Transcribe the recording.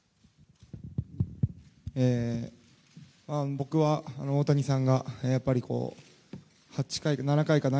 僕は大谷さんがやっぱり７回かな。